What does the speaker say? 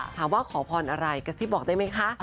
ถามว่าขอพรอะไรกะซิบบอกได้ไหมคะ